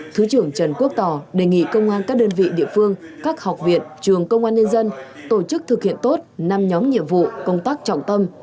thứ trưởng trần quốc tỏ đề nghị công an các đơn vị địa phương các học viện trường công an nhân dân tổ chức thực hiện tốt năm nhóm nhiệm vụ công tác trọng tâm